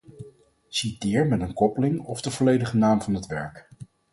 Citeer met een koppeling of de volledige naam van het werk.